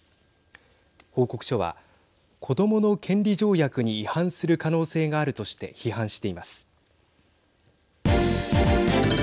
報告書は、子どもの権利条約に違反する可能性があるとして批判しています。